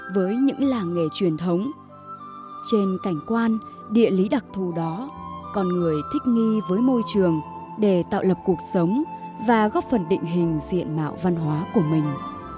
với những làng nghề truyền thống trên cảnh quan địa lý đặc thù đó con người thích nghi với môi trường để tạo lập cuộc sống và góp phần định hình diện mạo văn hóa của mình